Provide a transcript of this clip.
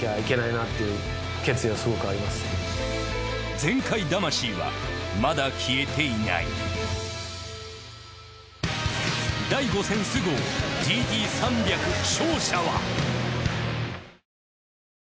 全開魂はまだ消えていないＧＴ３００クラス。